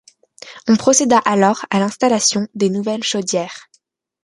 On procéda alors à l’installation des nouvelles chaudières.